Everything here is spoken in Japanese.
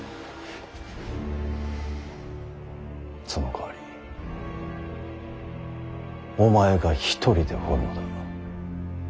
そのかわりお前が一人で彫るのだ。